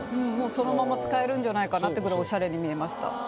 そのまま使えるんじゃないかなってぐらいオシャレに見えました。